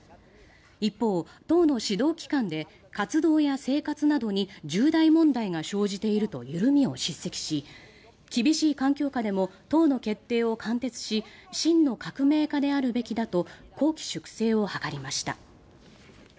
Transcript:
一方、党の指導機関で活動や生活などに重大問題が生じていると緩みを叱責し厳しい環境下でも党の決定を貫徹し真の革命家であるべきだと綱紀粛正を図りました。